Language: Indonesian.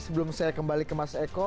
sebelum saya kembali ke mas eko